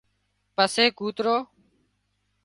پسي ڪوترو